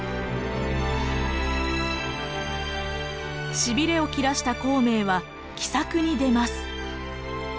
しびれをきらした孔明は奇策に出ます。